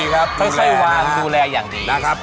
ครับผม